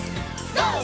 ＧＯ！